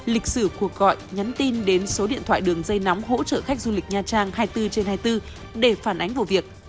lịch sử cuộc gọi nhắn tin đến số điện thoại đường dây nóng hỗ trợ khách du lịch nha trang hai mươi bốn trên hai mươi bốn để phản ánh vụ việc